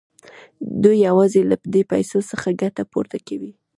دوی یوازې له دې پیسو څخه ګټه پورته کوي